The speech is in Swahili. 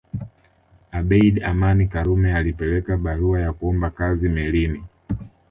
Abeid Amani Karume alipeleka barua ya kuomba kazi melini